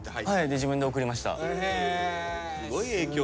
で自分で送りました。